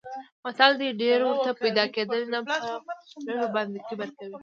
متل دی: ډېرې ورته پیدا کېدلې نه په لږو باندې کبر کوي.